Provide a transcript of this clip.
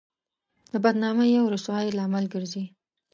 د بدنامۍ او رسوایۍ لامل ګرځي.